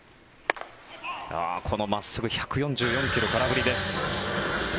この真っすぐ１４４ｋｍ空振りです。